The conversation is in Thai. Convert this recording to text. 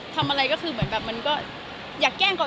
ทำอะไรก็คือเหมือนแบบมันก็